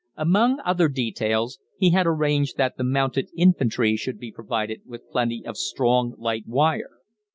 Among other details, he had arranged that the mounted infantry should be provided with plenty of strong light wire.